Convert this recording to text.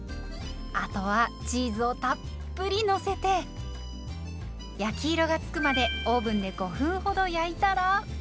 あとはチーズをたっぷりのせて焼き色がつくまでオーブンで５分ほど焼いたら。